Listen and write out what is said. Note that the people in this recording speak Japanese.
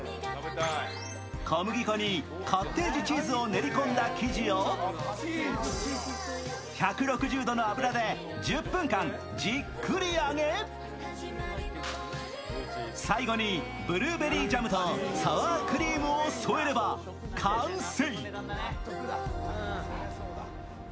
小麦粉にカッテージチーズを練り込んだ生地を１６０度の油で１０分間、じっくり揚げ、最後にブルーベリージャムとサワークリームを添えれば完成。